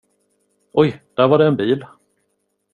Oj, där var det en bil.